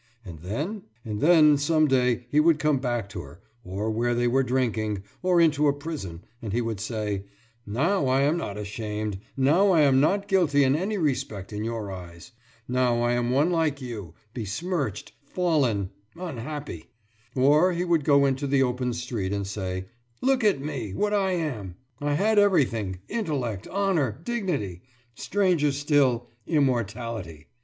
And then? And then, some day he would come back to her, or where they were drinking, or into a prison, and he would say: »Now I am not ashamed, now I am not guilty in any respect in your eyes. Now I am one like you, besmirched, fallen, unhappy!« Or he would go into the open street and say: »Look at me, what I am! I had everything intellect, honour, dignity stranger still, immortality.